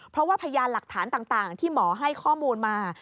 เพราะว่าพยานหลักฐานต่างที่หมอให้ข้อมูลมา